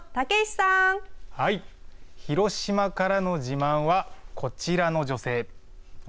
はい、広島からの自慢はこちらの女性。